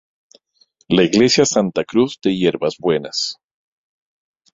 La iglesia Santa Cruz de Yerbas Buenas.